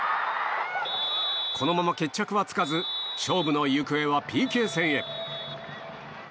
このまま決着はつかず勝負の行方はＰＫ戦へ。